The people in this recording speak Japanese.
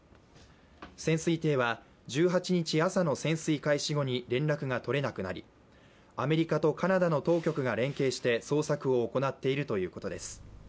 潜水艇は１８日朝の潜水開始後に連絡が取れなくなりアメリカとカナダの当局が連携して捜索を行っているということです。